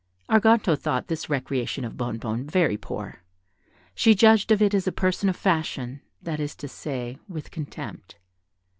Arganto thought this recreation of Bonnebonne very poor; she judged of it as a person of fashion, that is to say, with contempt.